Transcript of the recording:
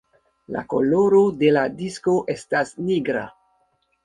La koloro de la disko estas nigra.